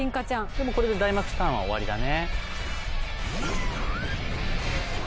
でもこれでダイマックスターンは終わりだね。